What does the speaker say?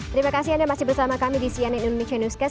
terima kasih anda masih bersama kami di cnn indonesia newscast